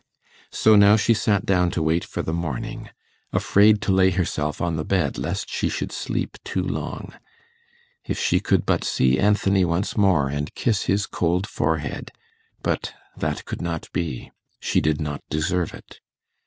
So now she sat down to wait for the morning, afraid to lay herself on the bed lest she should sleep too long. If she could but see Anthony once more and kiss his cold forehead! But that could not be. She did not deserve it.